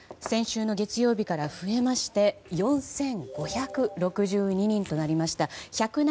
先週の月曜日から増えまして４５６２人となりました。